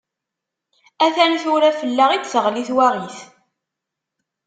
Atan tura fell-aɣ i d-teɣli twaɣit!